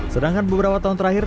sedangkan beberapa tahun terakhir